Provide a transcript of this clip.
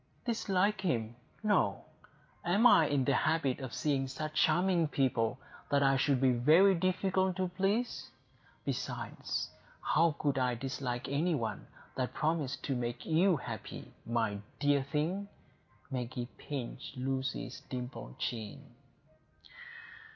"Dislike him! No. Am I in the habit of seeing such charming people, that I should be very difficult to please? Besides, how could I dislike any one that promised to make you happy, my dear thing!" Maggie pinched Lucy's dimpled chin.